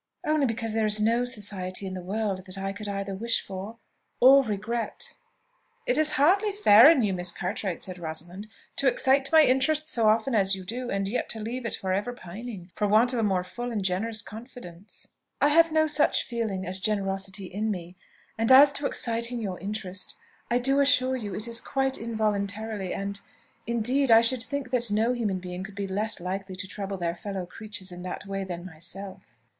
"Only because there is no society in the world that I could either wish for, or regret." "It is hardly fair in you, Miss Cartwright," said Rosalind, "to excite my interest so often as you do, and yet to leave it for ever pining, for want of a more full and generous confidence." "I have no such feeling as generosity in me; and as to exciting your interest, I do assure you it is quite involuntarily; and, indeed, I should think that no human being could be less likely to trouble their fellow creatures in that way than myself."